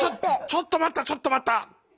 ちょっと待ったちょっと待った！